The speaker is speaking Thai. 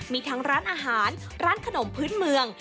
มีทั้งร้านอาหารร้านขนมพื้นเมือง